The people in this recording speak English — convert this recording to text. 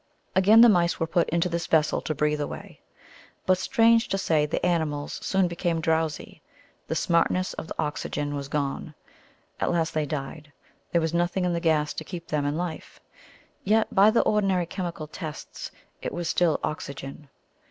Again, the mice were put into this vessel to breathe away. But, strange to say, the animals soon became drowsy; the smartness of the oxygen was gone. At last they died; there was nothing in the gas to keep them in life; yet, by the ordinary chemical tests, it was still oxygen.